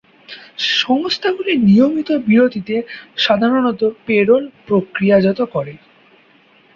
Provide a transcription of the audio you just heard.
সংস্থাগুলি নিয়মিত বিরতিতে সাধারণত পে-রোল প্রক্রিয়াজাত করে।